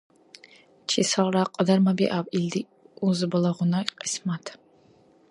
Чисалра кьадармабиаб илди узбалагъуна кьисмат.